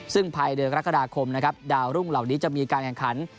ซึ่งภายเดือนกรกฎาคมนะครับดาวรุ่งเหล่านี้จะมีการแข่งขัน